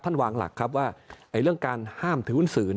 วางหลักครับว่าเรื่องการห้ามถือหุ้นสื่อ